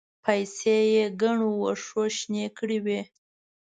پايڅې يې ګڼو وښو شنې کړې وې.